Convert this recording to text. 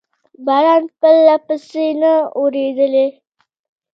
باران پرلپسې نه و اورېدلی.